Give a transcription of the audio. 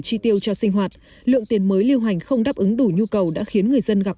chi tiêu cho sinh hoạt lượng tiền mới lưu hành không đáp ứng đủ nhu cầu đã khiến người dân gặp